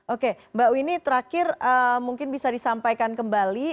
oke mbak winnie terakhir mungkin bisa disampaikan kembali